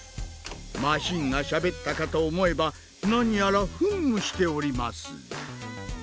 マシンがしゃべったかと思えば何やら噴霧しております。